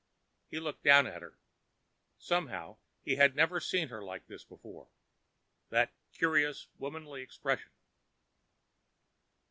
He looked down at her. Somehow he had never seen her like this before—that curious womanly expression.